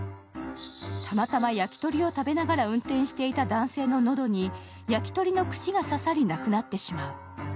たまたま焼き鳥を食べながら運転していた男性の喉に焼鳥の串が刺さり、亡くなってしまう。